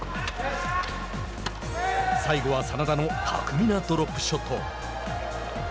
最後は眞田の巧みなドロップショット。